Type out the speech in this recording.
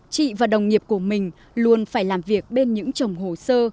chị và đồng nghiệp của mình luôn phải làm việc bên những trồng hồ sơ